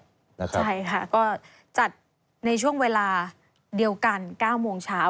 ใช่ค่ะก็จัดในช่วงเวลาเดียวกัน๙โมงเช้า